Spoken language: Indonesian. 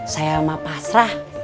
saya mah pasrah